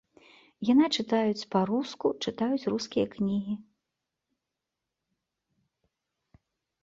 Яна чытаюць па-руску, чытаюць рускія кнігі.